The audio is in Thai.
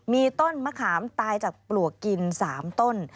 มีต้นมะขามตายจากปลวกกิน๓ต้น